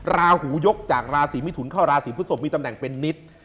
ราหูยกจากราศีมิถุนเข้าราศีพฤศพมีตำแหน่งเป็นนิต